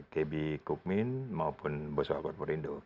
gaby kukmin maupun boswa gorporindo